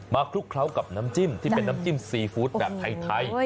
คลุกเคล้ากับน้ำจิ้มที่เป็นน้ำจิ้มซีฟู้ดแบบไทย